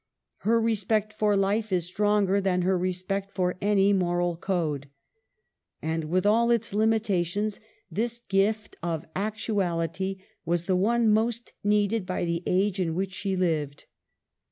Her respect for life is stronger than her respect for any moral code. And, with all its limitations, this gift of actu ality was the one most needed by the age in which she lived.